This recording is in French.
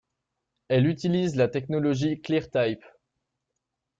Elle utilise la technologie ClearType.